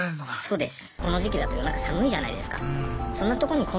そうです。